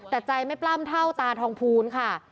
แต่ใจไม่ปล้ำเท่าตาทองภูลค่ะ